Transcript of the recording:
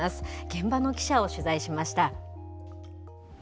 現場の記者を取材しました。